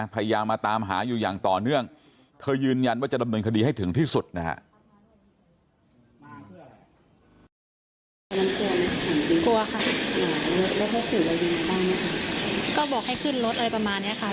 พยายามมาตามหาอยู่อย่างต่อเนื่องเธอยืนยันว่าจะดำเนินคดีให้ถึงที่สุดนะฮะ